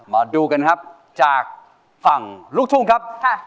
มาดูกันครับจากฝั่งลูกทุ่งครับ